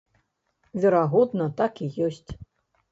Верагодна, так і ёсць.